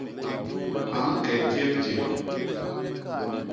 A ñke jébjép?